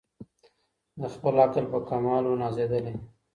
د خپل عقل په کمال وو نازېدلی